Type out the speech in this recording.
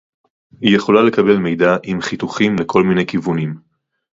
היא יכולה לקבל מידע עם חיתוכים לכל מיני כיוונים